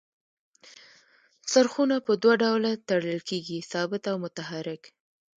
څرخونه په دوه ډوله تړل کیږي ثابت او متحرک.